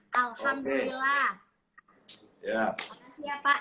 kasih ya pak